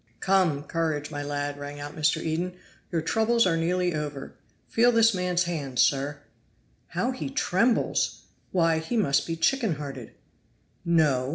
"Come, courage, my lad," rang out Mr. Eden, "your troubles are nearly over. Feel this man's hand, sir." "How he trembles! Why, he must be chicken hearted." "No!